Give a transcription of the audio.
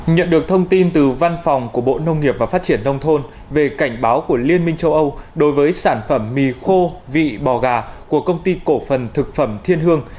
nhận được thông tin từ văn phòng của bộ nông nghiệp và phát triển nông thôn về cảnh báo của liên minh châu âu đối với sản phẩm mì khô vị bò gà của công ty cổ phần thực phẩm thiên hương